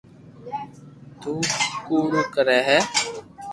تو ڪوڙ ڪري ھي